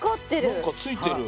何かついてる。